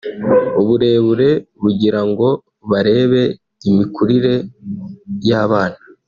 uburebure kugirango barebe imikurire y’abana